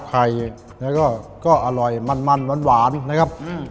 ไข่แล้วก็ก็อร่อยมันมันหวานนะครับอืม